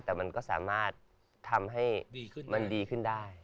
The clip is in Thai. แต่มันก็สามารถทำให้มันดีขึ้นได้